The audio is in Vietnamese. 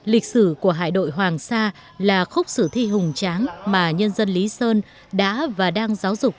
lịch sử của hải đội hoàng sa là khúc sử thi hùng tráng mà nhân dân lý sơn đã và đang giáo dục